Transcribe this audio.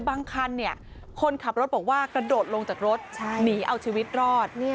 บางคันคนขับรถบอกว่ากระโดดลงจากรถหนีเอาชีวิตรอด